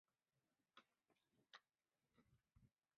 多果雪胆为葫芦科雪胆属下的一个变种。